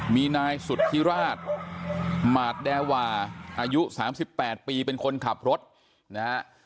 มีนายสุธิราชหมาดแดวาอายุ๓๘ปีเป็นคนขับรถนะฮะ